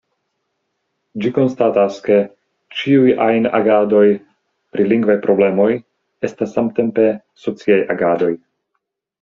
Ĝi konstatas, ke "ĉiuj ajn agadoj pri lingvaj problemoj estas samtempe sociaj agadoj".